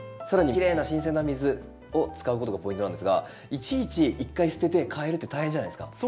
更にきれいな新鮮な水を使うことがポイントなんですがいちいち一回捨てて替えるって大変じゃないですか。